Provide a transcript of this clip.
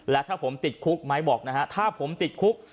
และถ้าผมติดคุกไม้บอกนะฮะถ้าผมติดคุก